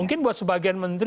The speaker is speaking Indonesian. mungkin buat sebagian menteri